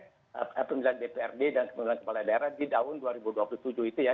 karena pemilihan dprd dan pemilihan kepala daerah di tahun dua ribu dua puluh tujuh itu ya